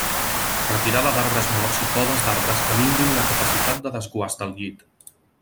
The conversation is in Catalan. Retirada d'arbres morts i podes d'arbres que minvin la capacitat de desguàs del llit.